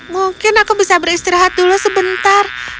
mungkin aku bisa beristirahat dulu sebentar